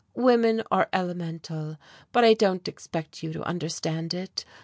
"Women are elemental, but I don't expect you to understand it.